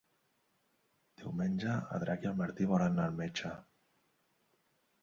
Diumenge en Drac i en Martí volen anar al metge.